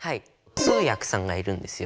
通訳さんがいるんですよ。